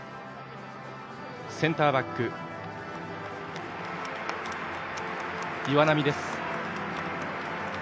センターバック、岩波です。